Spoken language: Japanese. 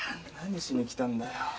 何しに来たんだよ？